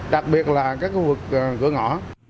đặc biệt là các khu vực cửa ngõ